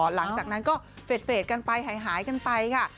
หลังจากนั้นก็เฟสกันไปหายกันไปค่ะ